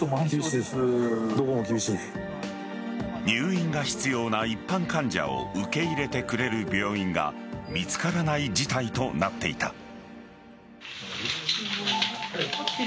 入院が必要な一般患者を受け入れてくれる病院が見つからない事態となっていた。